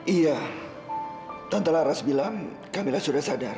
iya tante laras bilang kamila sudah sadar